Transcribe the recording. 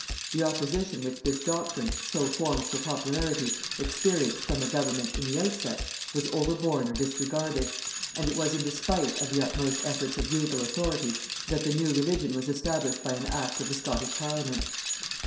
The opposition which this doctrine, so formed for popularity, experienced from the government in the outset, was overborne or disregarded, and it was in despite of the utmost efforts of regal authority that the new religion was established by an act of the Scottish parliament.